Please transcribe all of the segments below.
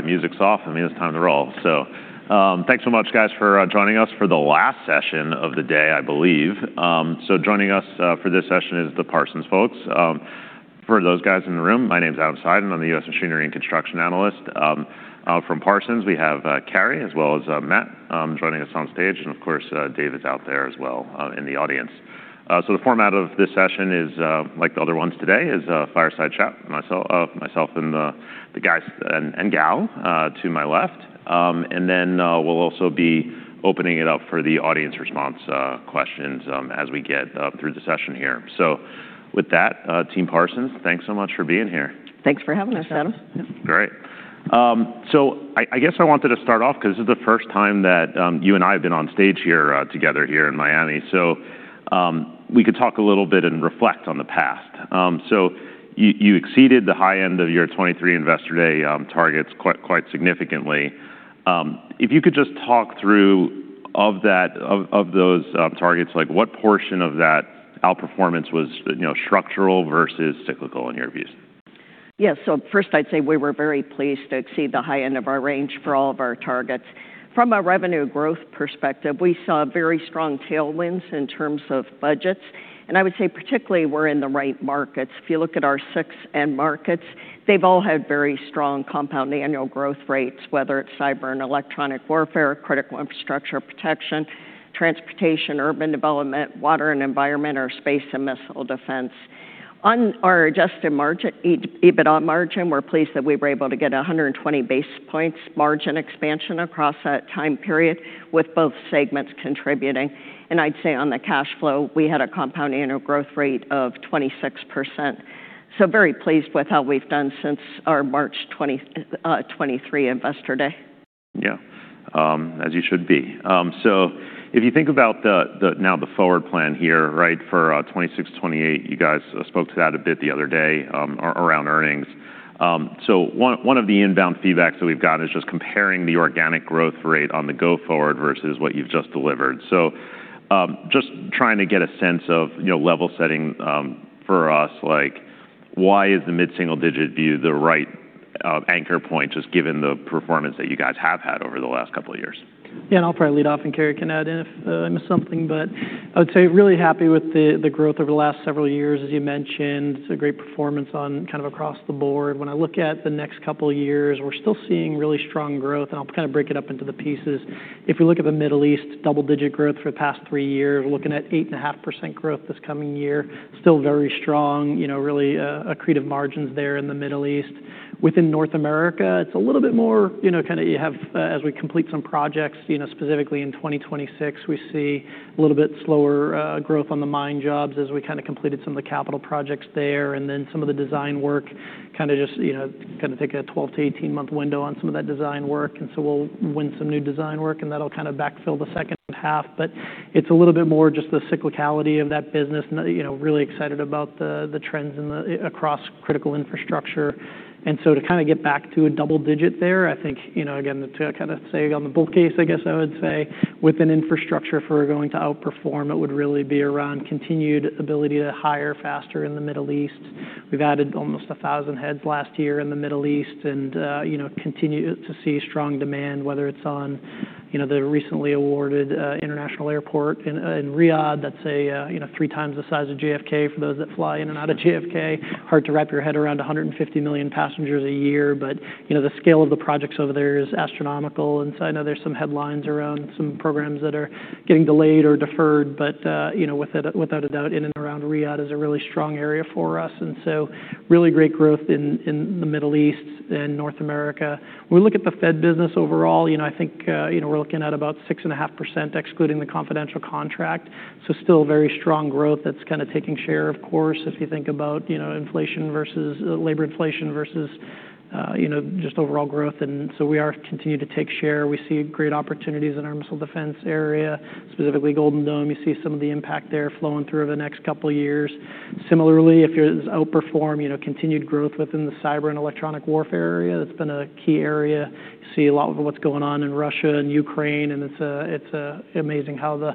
So, thanks so much, guys, for joining us for the last session of the day, I believe. So joining us for this session is the Parsons folks. For those guys in the room, my name is Adam Seiden. I'm the U.S. Machinery and Construction Analyst. From Parsons, we have Carey, as well as Matt, joining us on stage, and of course, Dave is out there as well in the audience. So the format of this session is, like the other ones today, a fireside chat, myself and the guys and gal to my left. And then we'll also be opening it up for the audience response questions as we get through the session here. With that, Team Parsons, thanks so much for being here. Thanks for having us, Adam. Great. So I guess I wanted to start off because this is the first time that you and I have been on stage here together here in Miami. So we could talk a little bit and reflect on the past. So you exceeded the high end of your 2023 Investor Day targets quite significantly. If you could just talk through that—of those targets, like, what portion of that outperformance was, you know, structural versus cyclical in your views? Yeah. So first, I'd say we were very pleased to exceed the high end of our range for all of our targets. From a revenue growth perspective, we saw very strong tailwinds in terms of budgets, and I would say, particularly, we're in the right markets. If you look at our six end markets, they've all had very strong compounding annual growth rates, whether it's cyber and electronic warfare, critical infrastructure protection, transportation, urban development, water and environment, or Space and Missile Defense. On our adjusted margin, EBITDA margin, we're pleased that we were able to get 120 basis points margin expansion across that time period, with both segments contributing. And I'd say on the cash flow, we had a compound annual growth rate of 26%. So very pleased with how we've done since our March 2023 Investor Day. Yeah, as you should be. So if you think about the now the forward plan here, right, for 2026-2028, you guys spoke to that a bit the other day, around earnings. So one of the inbound feedbacks that we've gotten is just comparing the organic growth rate on the go-forward versus what you've just delivered. So just trying to get a sense of, you know, level setting, for us, like, why is the mid-single digit view the right anchor point, just given the performance that you guys have had over the last couple of years? Yeah, and I'll probably lead off, and Carey can add in if I miss something. But I would say, really happy with the growth over the last several years. As you mentioned, it's a great performance on kind of across the board. When I look at the next couple of years, we're still seeing really strong growth, and I'll kind of break it up into the pieces. If you look at the Middle East, double-digit growth for the past three years, we're looking at 8.5% growth this coming year. Still very strong, you know, really accretive margins there in the Middle East. Within North America, it's a little bit more kind of you have, as we complete some projects, you know, specifically in 2026, we see a little bit slower growth on the mine jobs as we kind of completed some of the capital projects there. And then some of the design work kind of just, you know, kind of take a 12-18 months window on some of that design work, and so we'll win some new design work, and that'll kind of backfill the second half. But it's a little bit more just the cyclicality of that business, and really excited about the, the trends in the, across critical infrastructure. To kind of get back to a double digit there, I think, you know, again, to kind of say on the bull case, I guess I would say, within infrastructure, if we're going to outperform, it would really be around continued ability to hire faster in the Middle East. We've added almost 1,000 heads last year in the Middle East and, you know, continue to see strong demand, whether it's on, you know, the recently awarded international airport in in Riyadh. That's three times the size of JFK for those that fly in and out of JFK. Hard to wrap your head around 150 million passengers a year, but, you know, the scale of the projects over there is astronomical. And so I know there's some headlines around some programs that are getting delayed or deferred, but, you know, without a doubt, in and around Riyadh is a really strong area for us, and so really great growth in, in the Middle East and North America. When we look at the Fed business overall, you know, I think, we're looking at about 6.5%, excluding the confidential contract. So still very strong growth that's kind of taking share. Of course, if you think about, you know, inflation versus labor inflation versus, you know, just overall growth, and so we are continuing to take share. We see great opportunities in our Missile Defense area, specifically Golden Dome. You see some of the impact there flowing through over the next couple of years. Similarly, if you outperform, you know, continued growth within the cyber and electronic warfare area, that's been a key area. You see a lot of what's going on in Russia and Ukraine, and it's amazing how the,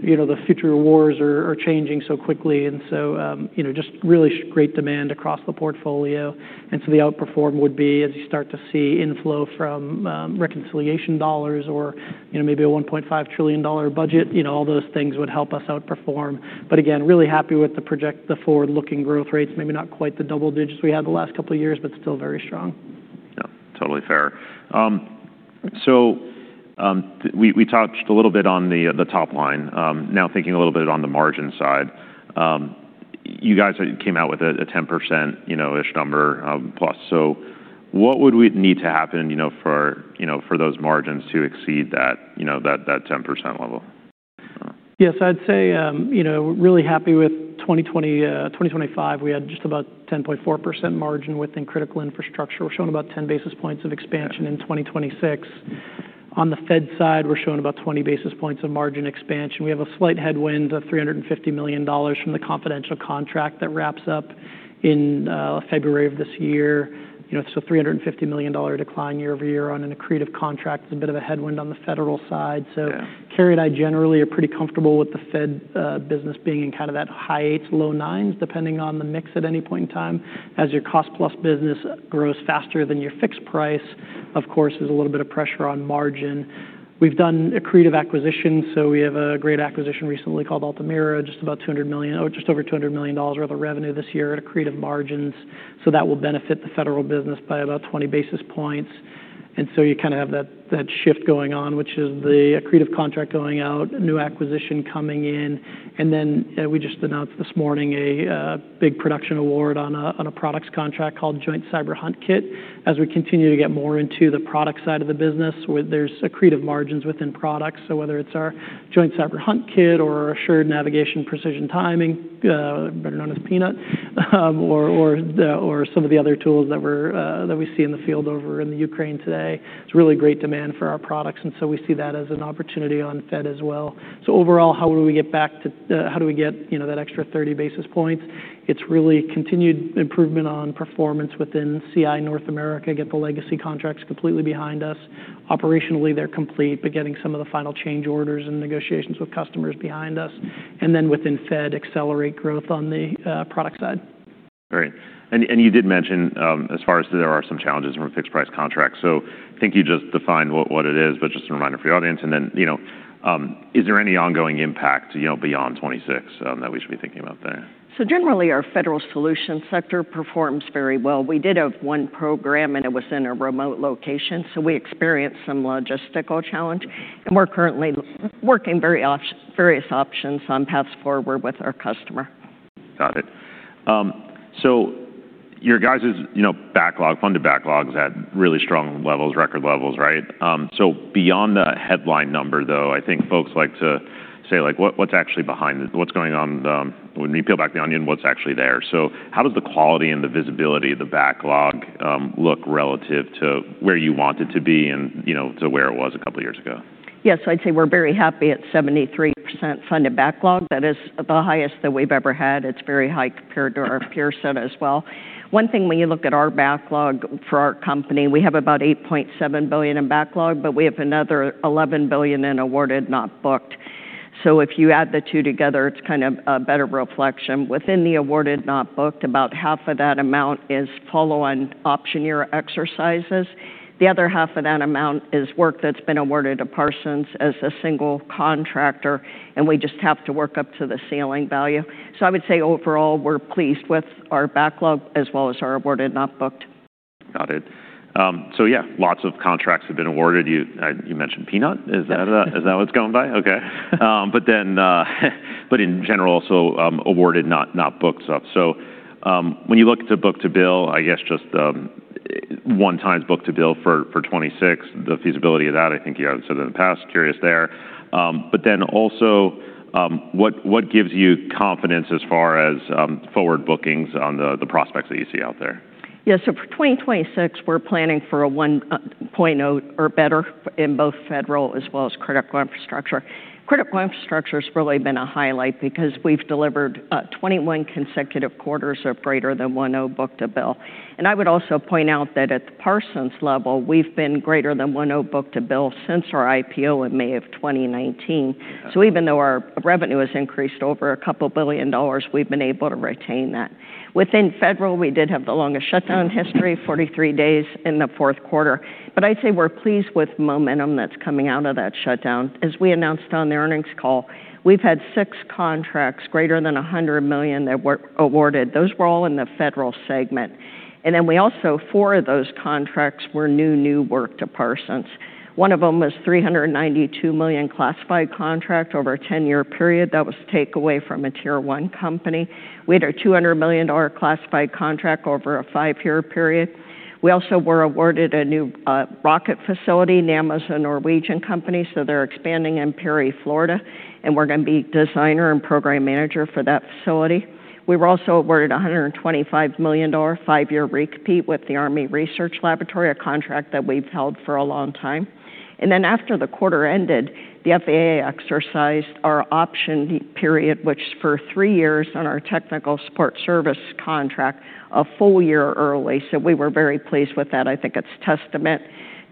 you know, the future wars are changing so quickly. And so, you know, just really great demand across the portfolio. And so the outperform would be, as you start to see inflow from reconciliation dollars or, you know, maybe a $1.5 trillion budget, you know, all those things would help us outperform. But again, really happy with the forward-looking growth rates. Maybe not quite the double digits we had the last couple of years, but still very strong. Yeah, totally fair. So, we touched a little bit on the top line. Now thinking a little bit on the margin side, you guys came out with a 10%-ish number, plus. So what would we need to happen, you know, for those margins to exceed that, you know, that 10% level? Yes, I'd say, you know, we're really happy with 2025. We had just about 10.4% margin within critical infrastructure. We're showing about 10 basis points of expansion in 2026. On the Fed side, we're showing about 20 basis points of margin expansion. We have a slight headwind of $350 million from the confidential contract that wraps up in February of this year. You know, so $350 million dollar decline year-over-year on an accretive contract is a bit of a headwind on the federal side. Yeah. So Carey and I generally are pretty comfortable with the Fed business being in kind of that high 8s, low 9s, depending on the mix at any point in time. As your cost plus business grows faster than your fixed price, of course, there's a little bit of pressure on margin. We've done accretive acquisitions, so we have a great acquisition recently called Altamira, just about $200 million or just over $200 million of revenue this year at accretive margins. So that will benefit the federal business by about 20 basis points. And so you kind of have that, that shift going on, which is the accretive contract going out, a new acquisition coming in, and then we just announced this morning a big production award on a products contract called Joint Cyber Hunt Kit. As we continue to get more into the product side of the business, where there's accretive margins within products, so whether it's our Joint Cyber Hunt Kit or Assured Navigation Precision Timing, better known as Peanut, or some of the other tools that we're that we see in the field over in the Ukraine today, it's really great demand for our products, and so we see that as an opportunity on Fed as well. So overall, how do we get back to, how do we get, you know, that extra 30 basis points? It's really continued improvement on performance within CI North America, get the legacy contracts completely behind us. Operationally, they're complete, but getting some of the final change orders and negotiations with customers behind us, and then within Fed, accelerate growth on the product side. Great. And you did mention, as far as there are some challenges from a fixed-price contract, so I think you just defined what it is, but just a reminder for your audience, and then, you know, is there any ongoing impact, you know, beyond 2026, that we should be thinking about there? Generally, our Federal Solutions sector performs very well. We did have one program, and it was in a remote location, so we experienced some logistical challenge, and we're currently working various options on paths forward with our customer. Got it. So your guys', you know, backlog, funded backlogs at really strong levels, record levels, right? So beyond the headline number, though, I think folks like to say, like, what's actually behind it? What's going on, when you peel back the onion, what's actually there? So how does the quality and the visibility of the backlog, look relative to where you want it to be and, you know, to where it was a couple of years ago? Yes, I'd say we're very happy at 73% funded backlog. That is the highest that we've ever had. It's very high compared to our peer set as well. One thing, when you look at our backlog for our company, we have about $8.7 billion in backlog, but we have another $11 billion in awarded, not booked. So if you add the two together, it's kind of a better reflection. Within the awarded, not booked, about half of that amount is follow-on option year exercises. The other half of that amount is work that's been awarded to Parsons as a single contractor, and we just have to work up to the ceiling value. So I would say, overall, we're pleased with our backlog as well as our awarded, not booked. Got it. Yeah, lots of contracts have been awarded. You mentioned Peanut. Is that what it's going by? Okay. In general, awarded, not booked. When you look to book-to-bill, I guess just 1 time book-to-bill for 2026, the feasibility of that, I think you have said in the past, curious there. What gives you confidence as far as forward bookings on the prospects that you see out there? Yeah, so for 2026, we're planning for a 1.0 or better in both Federal as well as Critical Infrastructure. Critical Infrastructure has really been a highlight because we've delivered 21 consecutive quarters of greater than 1.0 book-to-bill. And I would also point out that at the Parsons level, we've been greater than 1.0 book-to-bill since our IPO in May of 2019. Yeah. So, even though our revenue has increased over $2 billion, we've been able to retain that. Within federal, we did have the longest shutdown in history, 43 days in the fourth quarter. But I'd say we're pleased with momentum that's coming out of that shutdown. As we announced on the earnings call, we've had 6 contracts, greater than $100 million, that were awarded. Those were all in the federal segment. And then we also, four of those contracts were new, new work to Parsons. One of them was $392 million classified contract over a 10-year period. That was take away from a Tier 1 company. We had a $200 million classified contract over a five-year period. We also were awarded a new rocket facility. Nammo's a Norwegian company, so they're expanding in Perry, Florida, and we're gonna be designer and program manager for that facility. We were also awarded a $125 million five-year re-compete with the Army Research Laboratory, a contract that we've held for a long time. Then after the quarter ended, the FAA exercised our option period, which for three years on our technical support service contract, a full year early. So we were very pleased with that. I think it's testament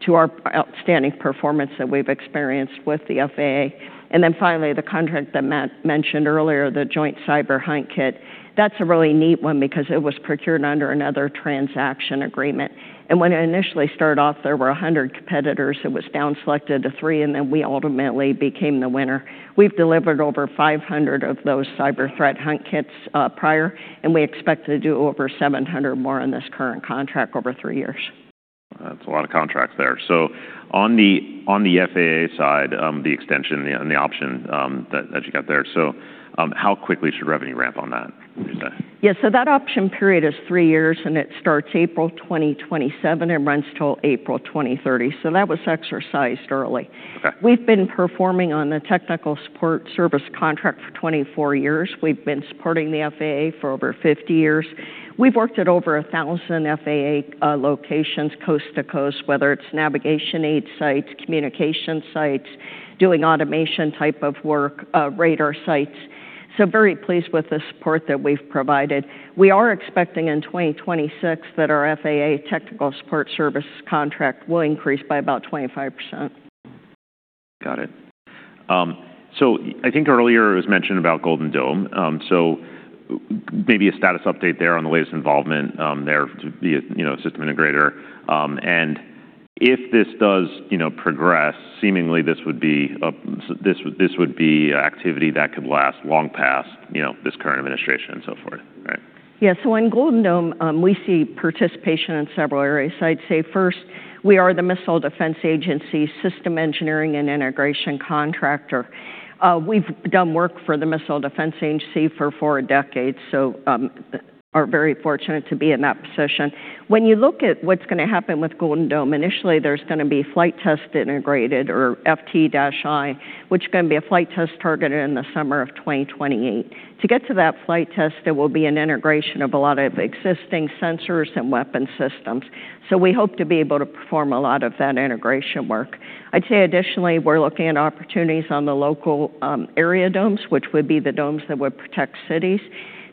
to our outstanding performance that we've experienced with the FAA. Then finally, the contract that Matt mentioned earlier, the Joint Cyber Hunt Kit, that's a really neat one because it was procured under another transaction agreement. And when it initially started off, there were 100 competitors. It was down selected to three, and then we ultimately became the winner. We've delivered over 500 of those cyber threat hunt kits prior, and we expect to do over 700 more on this current contract over three years. That's a lot of contracts there. So on the FAA side, the extension and the option that you got there, so how quickly should revenue ramp on that, would you say? Yeah, so that option period is three years, and it starts April 2027, and runs till April 2030. So that was exercised early. Okay. We've been performing on the technical support service contract for 24 years. We've been supporting the FAA for over 50 years. We've worked at over 1,000 FAA locations, coast to coast, whether it's navigation aid sites, communication sites, doing automation type of work, radar sites. So very pleased with the support that we've provided. We are expecting in 2026 that our FAA technical support service contract will increase by about 25%. Got it. So I think earlier it was mentioned about Golden Dome. So maybe a status update there on the latest involvement, there, to be a, you know, system integrator. And if this does, you know, progress, seemingly this would be, this, this would be activity that could last long past, you know, this current administration and so forth. Yeah, so in Golden Dome, we see participation in several areas. I'd say first, we are the Missile Defense Agency System Engineering and Integration Contractor. We've done work for the Missile Defense Agency for four decades, so are very fortunate to be in that position. When you look at what's gonna happen with Golden Dome, initially, there's gonna be Flight Test Integrator, or FT-I, which is gonna be a flight test targeted in the summer of 2028. To get to that flight test, there will be an integration of a lot of existing sensors and weapon systems, so we hope to be able to perform a lot of that integration work. I'd say additionally, we're looking at opportunities on the local area domes, which would be the domes that would protect cities.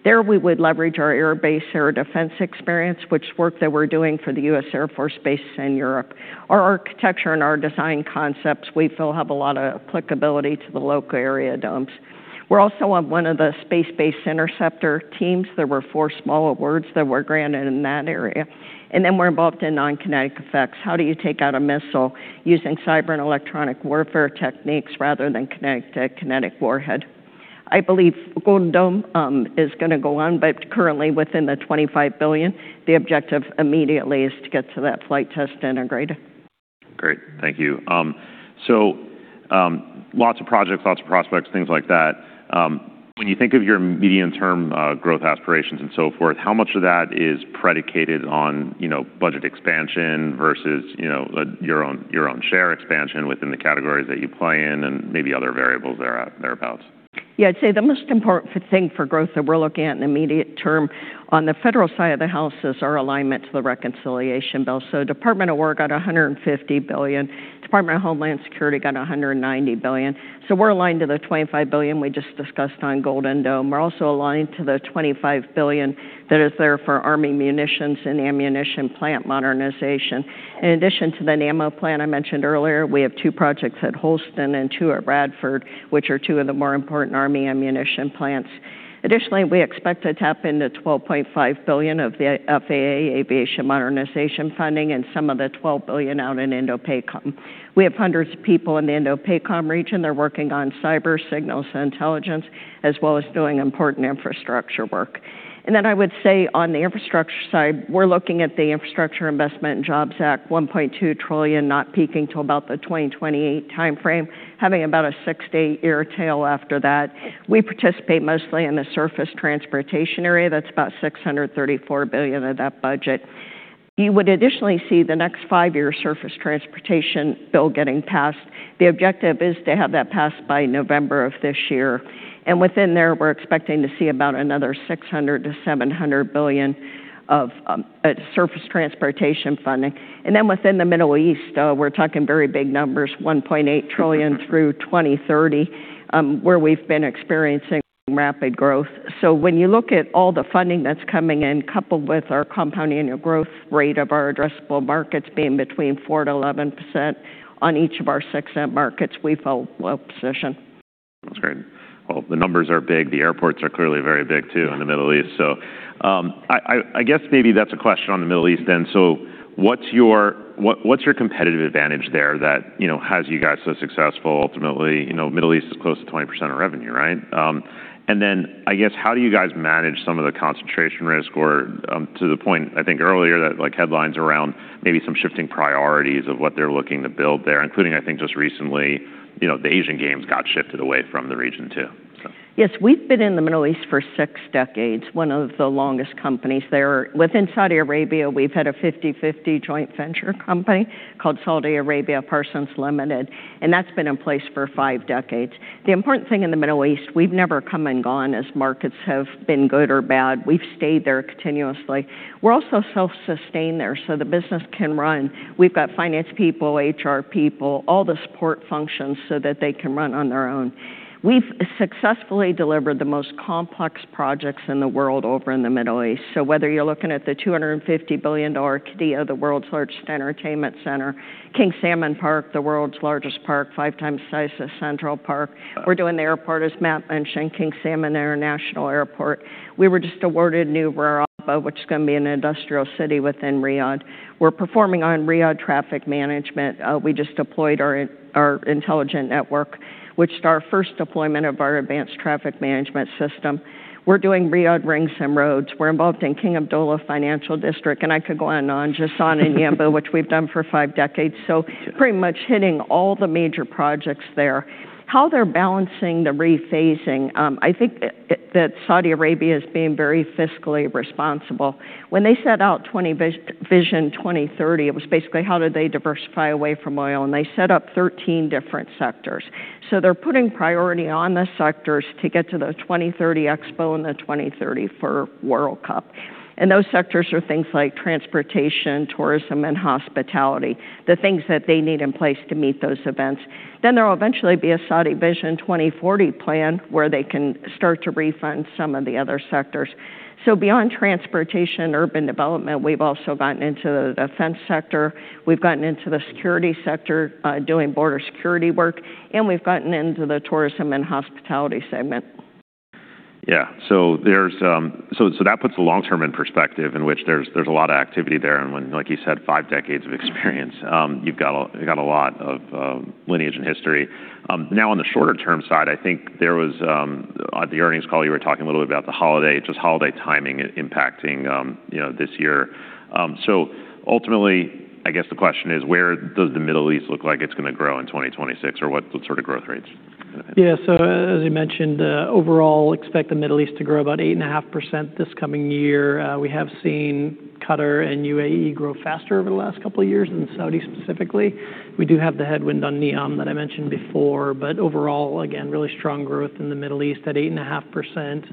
There, we would leverage our air base, air defense experience, which work that we're doing for the U.S. Air Force bases in Europe. Our architecture and our design concepts, we feel, have a lot of applicability to the local area domes. We're also on one of the space-based interceptor teams. There were four small awards that were granted in that area, and then we're involved in non-kinetic effects. How do you take out a missile using cyber and electronic warfare techniques rather than kinetic warhead? I believe Golden Dome is gonna go on, but currently within the $25 billion, the objective immediately is to get to that flight test integrator. Great, thank you. So, lots of projects, lots of prospects, things like that. When you think of your medium-term growth aspirations and so forth, how much of that is predicated on, you know, budget expansion versus, you know, your own, your own share expansion within the categories that you play in and maybe other variables thereat, thereabouts? Yeah, I'd say the most important thing for growth that we're looking at in the immediate term on the federal side of the house is our alignment to the Reconciliation Bill. So Department of War got $150 billion. Department of Homeland Security got $190 billion. So we're aligned to the $25 billion we just discussed on Golden Dome. We're also aligned to the $25 billion that is there for army munitions and ammunition plant modernization. In addition to the Nammo plant I mentioned earlier, we have two projects at Holston and two at Radford, which are two of the more important army ammunition plants. Additionally, we expect to tap into $12.5 billion of the FAA Aviation Modernization funding and some of the $12 billion out in INDOPACOM. We have hundreds of people in the INDOPACOM region. They're working on cyber, signals, and intelligence, as well as doing important infrastructure work. Then I would say on the infrastructure side, we're looking at the Infrastructure Investment and Jobs Act, $1.2 trillion, not peaking till about the 2028 timeframe, having about a 6- to 8-year tail after that. We participate mostly in the surface transportation area. That's about $634 billion of that budget. You would additionally see the next 5-year surface transportation bill getting passed. The objective is to have that passed by November of this year, and within there, we're expecting to see about another $600 billion-$700 billion of surface transportation funding. Then within the Middle East, we're talking very big numbers, $1.8 trillion through 2030, where we've been experiencing rapid growth. When you look at all the funding that's coming in, coupled with our compounding annual growth rate of our addressable markets being between 4%-11% on each of our six end markets, we feel well-positioned. That's great. Well, the numbers are big. The airports are clearly very big, too, in the Middle East. So, I guess maybe that's a question on the Middle East then. So what's your competitive advantage there that, you know, has you guys so successful ultimately? You know, Middle East is close to 20% of revenue, right? And then, I guess, how do you guys manage some of the concentration risk or, to the point, I think earlier, that, like, headlines around maybe some shifting priorities of what they're looking to build there, including, I think, just recently, you know, the Asian Games got shifted away from the region, too. Yes, we've been in the Middle East for six decades, one of the longest companies there. Within Saudi Arabia, we've had a 50/50 joint venture company called Saudi Arabia Parsons Limited, and that's been in place for five decades. The important thing in the Middle East, we've never come and gone as markets have been good or bad. We've stayed there continuously. We're also self-sustained there, so the business can run. We've got finance people, HR people, all the support functions so that they can run on their own. We've successfully delivered the most complex projects in the world over in the Middle East. So whether you're looking at the $250 billion Qiddiya, the world's largest entertainment center, King Salman Park, the world's largest park, five times the size of Central Park. We're doing the airport, as Matt mentioned, King Salman International Airport. We were just awarded New Murabba, which is gonna be an industrial city within Riyadh. We're performing on Riyadh traffic management. We just deployed our intelligent network, which is our first deployment of our advanced traffic management system. We're doing Riyadh Ring Roads. We're involved in King Abdullah Financial District, and I could go on and on, Jazan and Yanbu, which we've done for five decades. So pretty much hitting all the major projects there. How they're balancing the rephasing, I think that Saudi Arabia is being very fiscally responsible. When they set out Vision 2030, it was basically how do they diversify away from oil, and they set up 13 different sectors. So they're putting priority on the sectors to get to the 2030 Expo and the 2030 for World Cup. Those sectors are things like transportation, tourism, and hospitality, the things that they need in place to meet those events. There will eventually be a Saudi Vision 2040 plan, where they can start to refund some of the other sectors. Beyond transportation and urban development, we've also gotten into the defense sector. We've gotten into the security sector, doing border security work, and we've gotten into the tourism and hospitality segment. Yeah, so there's so that puts the long term in perspective in which there's a lot of activity there, and when, like you said, five decades of experience, you've got a lot of lineage and history. Now, on the shorter-term side, I think there was on the earnings call, you were talking a little bit about the holiday, just holiday timing impacting, you know, this year. So ultimately, I guess the question is: where does the Middle East look like it's gonna grow in 2026, or what sort of growth rates? Yeah, so as you mentioned, overall, expect the Middle East to grow about 8.5% this coming year. We have seen Qatar and UAE grow faster over the last couple of years than Saudi specifically. We do have the headwind on NEOM that I mentioned before, but overall, again, really strong growth in the Middle East at 8.5%.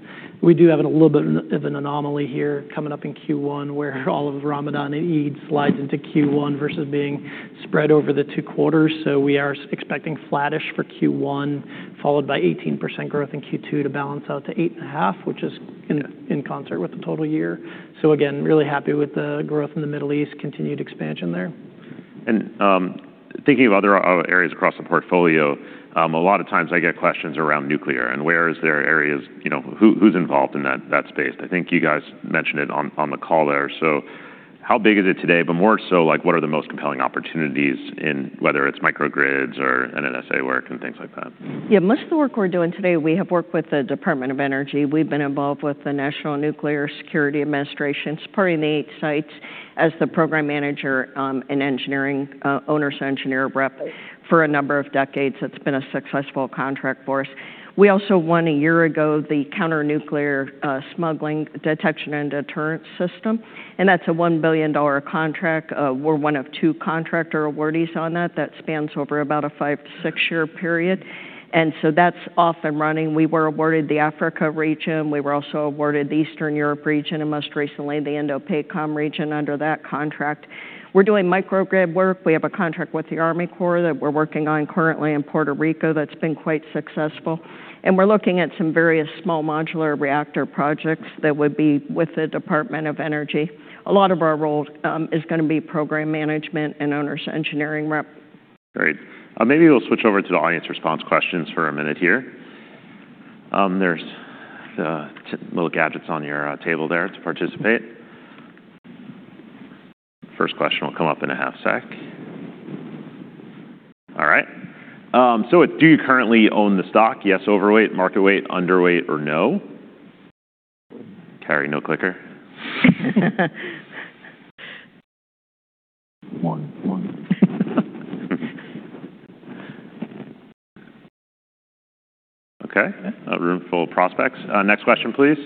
We do have a little bit of an anomaly here coming up in Q1, where all of Ramadan and Eid slides into Q1 versus being spread over the two quarters. So we are expecting flattish for Q1, followed by 18% growth in Q2 to balance out to 8.5, which is in concert with the total year. So again, really happy with the growth in the Middle East, continued expansion there. Thinking of other areas across the portfolio, a lot of times I get questions around nuclear, and where is there areas—you know, who's involved in that, that space? I think you guys mentioned it on, on the call there. So how big is it today? But more so, like, what are the most compelling opportunities in whether it's microgrids or NNSA work and things like that? Yeah, most of the work we're doing today, we have worked with the Department of Energy. We've been involved with the National Nuclear Security Administration, supporting the eight sites as the program manager, in engineering, owner's engineer rep for a number of decades. It's been a successful contract for us. We also won a year ago, the Counter Nuclear Smuggling Detection and Deterrent System, and that's a $1 billion contract. We're one of two contractor awardees on that. That spans over about a 5- to 6-year period, and so that's off and running. We were awarded the Africa region. We were also awarded the Eastern Europe region and most recently, the INDOPACOM region under that contract. We're doing microgrid work. We have a contract with the Army Corps that we're working on currently in Puerto Rico that's been quite successful, and we're looking at some various small modular reactor projects that would be with the Department of Energy. A lot of our role is gonna be program management and owner's engineering rep. Great. Maybe we'll switch over to the audience response questions for a minute here. There's little gadgets on your table there to participate. First question will come up in a half sec. All right, so do you currently own the stock? Yes, overweight, market weight, underweight, or no? Carey, no clicker? One, one. Okay, a room full of prospects. Next question, please.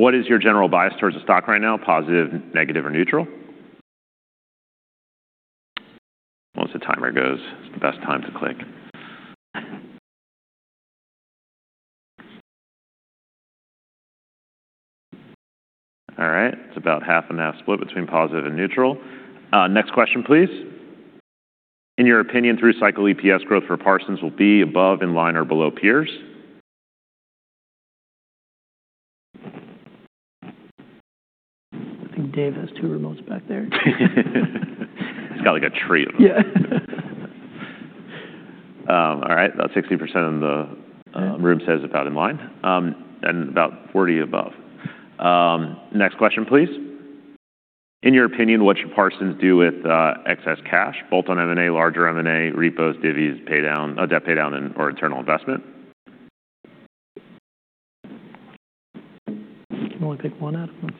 What is your general bias towards the stock right now, positive, negative, or neutral? Once the timer goes, it's the best time to click. All right, it's about half and half split between positive and neutral. Next question, please. In your opinion, through cycle EPS growth for Parsons will be above, in line, or below peers? I think Dave has two remotes back there. He's got, like, a tree of them. Yeah. All right, about 60% of the room says about in line, and about 40 above. Next question, please. In your opinion, what should Parsons do with excess cash? Bolt on M&A, larger M&A, repos, divvies, pay down, debt pay down and/or internal investment. Can only pick one out of them?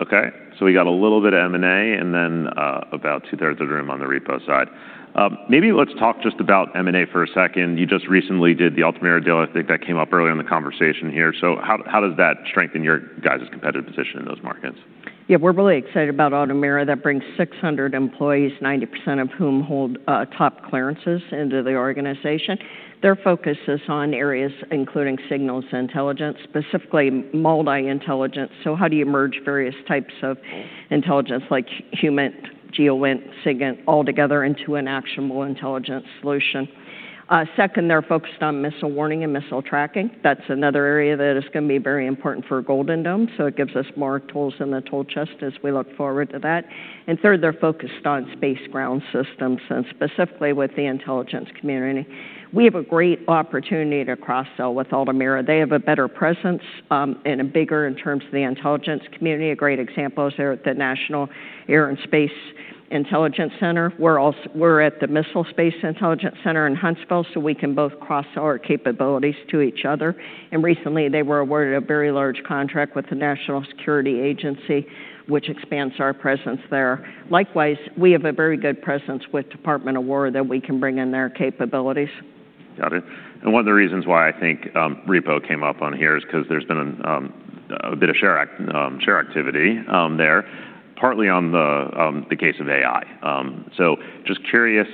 Okay, so we got a little bit of M&A and then, about two-thirds of the room on the repo side. Maybe let's talk just about M&A for a second. You just recently did the Altamira deal. I think that came up early in the conversation here. So how does that strengthen your guys' competitive position in those markets? Yeah, we're really excited about Altamira. That brings 600 employees, 90% of whom hold top clearances into the organization. Their focus is on areas including signals intelligence, specifically multi-intelligence. So how do you merge various types of intelligence like human, GEOINT, SIGINT, all together into an actionable intelligence solution? Second, they're focused on missile warning and missile tracking. That's another area that is gonna be very important for Golden Dome, so it gives us more tools in the tool chest as we look forward to that. And third, they're focused on space ground systems, and specifically with the intelligence community. We have a great opportunity to cross-sell with Altamira. They have a better presence and a bigger in terms of the intelligence community. A great example is they're at the National Air and Space Intelligence Center. We're also at the Missile Space Intelligence Center in Huntsville, so we can both cross-sell our capabilities to each other. Recently, they were awarded a very large contract with the National Security Agency, which expands our presence there. Likewise, we have a very good presence with Department of War that we can bring in their capabilities. Got it. And one of the reasons why I think repo came up on here is because there's been a bit of share activity there, partly on the case of AI. So just curious.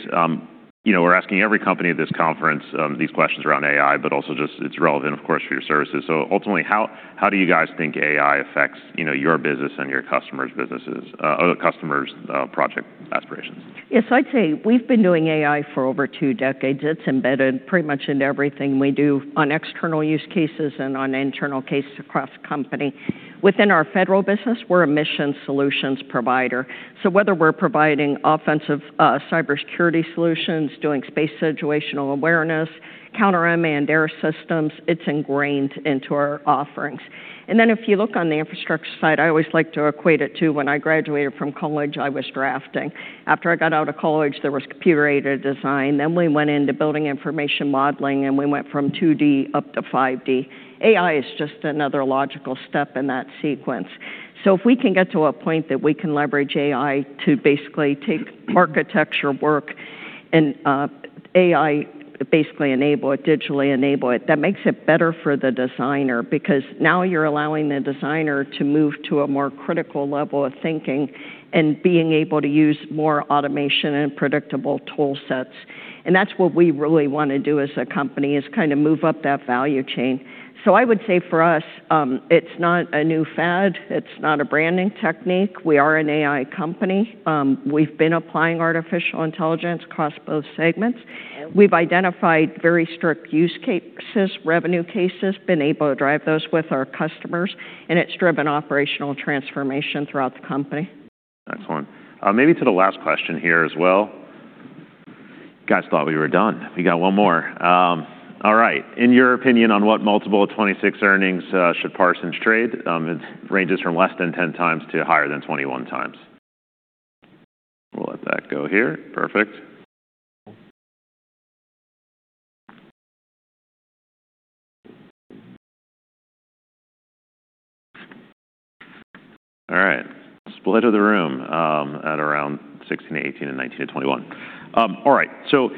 You know, we're asking every company at this conference these questions around AI, but also just it's relevant, of course, for your services. So ultimately, how do you guys think AI affects, you know, your business and your customers' businesses or the customers' project needs? Aspirations? Yes, I'd say we've been doing AI for over two decades. It's embedded pretty much into everything we do on external use cases and on internal cases across the company. Within our federal business, we're a mission solutions provider, so whether we're providing offensive cybersecurity solutions, doing space situational awareness, counter-unmanned aerial systems, it's ingrained into our offerings. And then if you look on the infrastructure side, I always like to equate it to when I graduated from college, I was drafting. After I got out of college, there was computer-aided design. Then we went into building information modeling, and we went from 2D up to 5D. AI is just another logical step in that sequence. So if we can get to a point that we can leverage AI to basically take architecture work and, AI, basically enable it, digitally enable it, that makes it better for the designer because now you're allowing the designer to move to a more critical level of thinking and being able to use more automation and predictable tool sets, and that's what we really want to do as a company, is kind of move up that value chain. So I would say for us, it's not a new fad. It's not a branding technique. We are an AI company. We've been applying artificial intelligence across both segments. We've identified very strict use cases, revenue cases, been able to drive those with our customers, and it's driven operational transformation throughout the company. Excellent. Maybe to the last question here as well. You guys thought we were done. We got one more. All right. In your opinion, on what multiple of 2026 earnings, should Parsons trade? It ranges from less than 10 times to higher than 21 times. We'll let that go here. Perfect. All right, split of the room, at around 16-18 and 19-21. All right. So,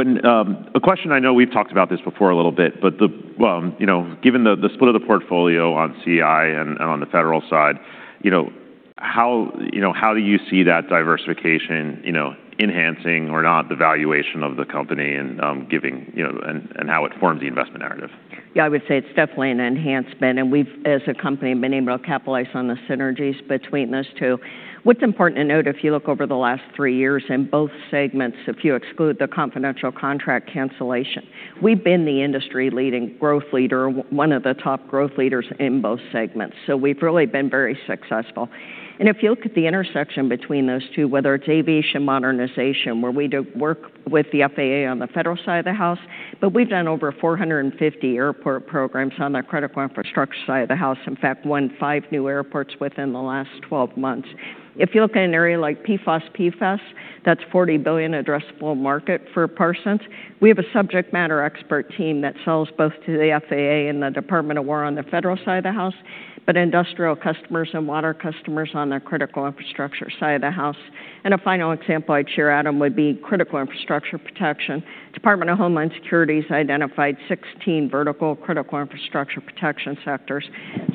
a question I know we've talked about this before a little bit, but, you know, given the split of the portfolio on CI and, and on the federal side, you know, how, you know, how do you see that diversification, you know, enhancing or not, the valuation of the company and, giving, you know, and, and how it forms the investment narrative? Yeah, I would say it's definitely an enhancement, and we've, as a company, been able to capitalize on the synergies between those two. What's important to note, if you look over the last three years in both segments, if you exclude the confidential contract cancellation, we've been the industry-leading growth leader, one of the top growth leaders in both segments, so we've really been very successful. And if you look at the intersection between those two, whether it's aviation modernization, where we do work with the FAA on the federal side of the house, but we've done over 450 airport programs on the critical infrastructure side of the house, in fact, won five new airports within the last 12 months. If you look at an area like PFAS, that's a $40 billion addressable market for Parsons. We have a subject matter expert team that sells both to the FAA and the Department of War on the federal side of the house, but industrial customers and water customers on the critical infrastructure side of the house. A final example I'd share, Adam, would be critical infrastructure protection. Department of Homeland Security's identified 16 vertical critical infrastructure protection sectors.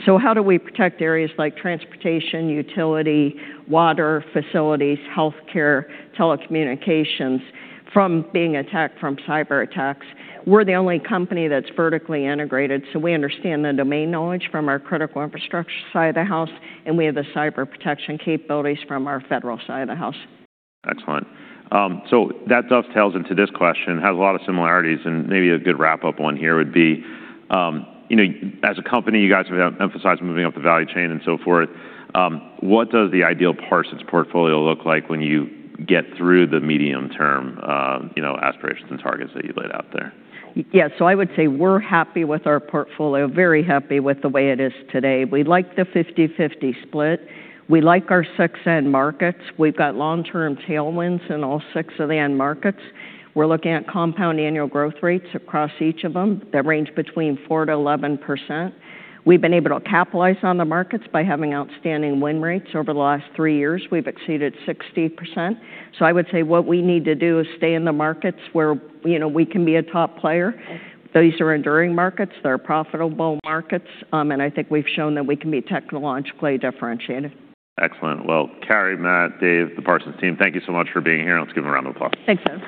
So how do we protect areas like transportation, utility, water, facilities, healthcare, telecommunications, from being attacked from cyberattacks? We're the only company that's vertically integrated, so we understand the domain knowledge from our critical infrastructure side of the house, and we have the cyber protection capabilities from our federal side of the house. Excellent. So that dovetails into this question, has a lot of similarities, and maybe a good wrap-up one here would be, you know, as a company, you guys have emphasized moving up the value chain and so forth. What does the ideal Parsons portfolio look like when you get through the medium-term, you know, aspirations and targets that you laid out there? Yeah. So I would say we're happy with our portfolio, very happy with the way it is today. We like the 50/50 split. We like our success markets. We've got long-term tailwinds in all six of the end markets. We're looking at compound annual growth rates across each of them that range between 4%-11%. We've been able to capitalize on the markets by having outstanding win rates. Over the last three years, we've exceeded 60%, so I would say what we need to do is stay in the markets where, you know, we can be a top player. These are enduring markets. They're profitable markets, and I think we've shown that we can be technologically differentiated. Excellent. Well, Carey, Matt, Dave, the Parsons team, thank you so much for being here, and let's give them a round of applause. Thanks, Adam.